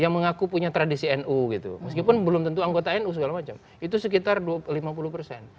yang mengaku punya tradisi nu gitu meskipun belum tentu anggota nu segala macam itu sekitar lima puluh persen